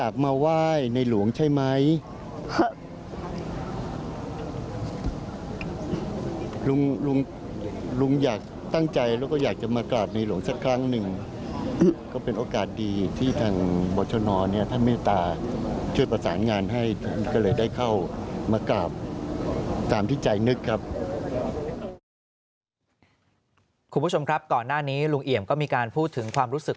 คุณผู้ชมครับก่อนหน้านี้ลุงเอี่ยมก็มีการพูดถึงความรู้สึก